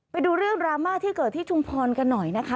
ไปดูเรื่องดราม่าที่เกิดที่ชุมพรกันหน่อยนะคะ